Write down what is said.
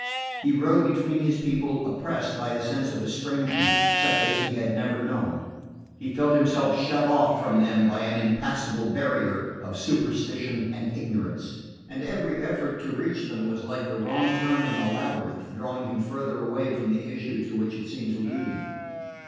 He rode between his people oppressed by a sense of estrangement such as he had never known. He felt himself shut off from them by an impassable barrier of superstition and ignorance; and every effort to reach them was like the wrong turn in a labyrinth, drawing him farther away from the issue to which it seemed to lead.